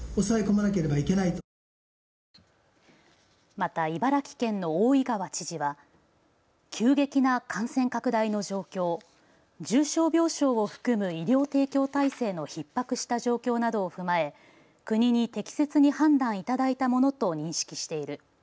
また茨城県の大井川知事は急激な感染拡大の状況、重症病床を含む医療提供体制のひっ迫した状況などを踏まえ国に適切に判断いただいたものと認識している。